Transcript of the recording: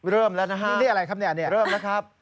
เริ่มแล้วนะครับ